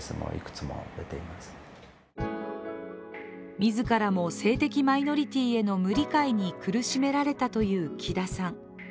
自らも性的マイノリティへの無理解に苦しめられたという貴田さん。